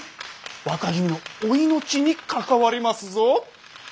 若君のお命に関わりますぞ！